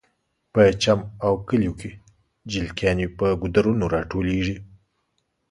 په چم او کلیو کې جلکیانې په ګودرونو راټولیږي